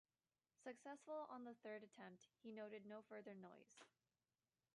Successful on the third attempt, he noted no further noise.